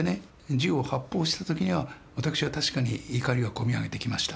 銃を発砲した時には私は確かに怒りがこみ上げてきました。